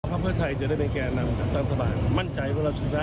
ในเวลานี้ทุกคนต้องหาเสียงอย่างเป็นที่อันนี้คือเรื่องปกตินะคะ